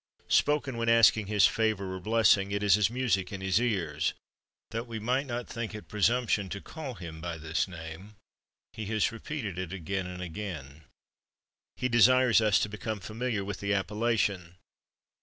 Spoken when asking His favor or blessing, it is as music in His ears. That we might not think it presumption to call Him by this name, He has repeated it again and again. He desires us to become familiar with the appellation.